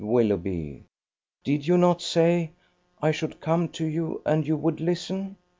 Willoughby, did you not say I should come to you and you would listen?